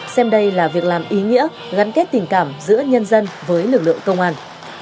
xem đây là việc làm ý nghĩa gắn kết tình cảm giữa nhân dân với lực lượng công an